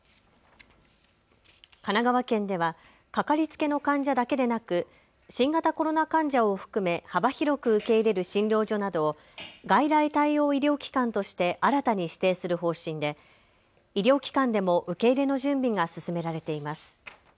神奈川県ではかかりつけの患者だけでなく新型コロナ患者を含め幅広く受け入れる診療所などを外来対応医療機関として新たに指定する方針で医療機関でも受け入れの準備が進められています。